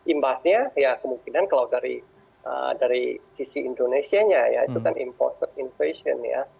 imbasnya ya kemungkinan kalau dari sisi indonesia ya itu kan impostor inflation ya